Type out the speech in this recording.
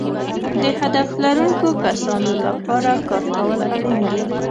د هدف لرونکو کسانو لپاره کار کول اړین دي.